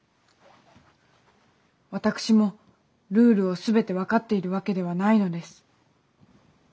私もルールを全て分かっているわけではないのです。